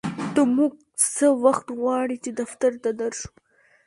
ته مونږ څه وخت غواړې چې دفتر ته در شو